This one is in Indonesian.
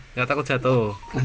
nggak takut jatuh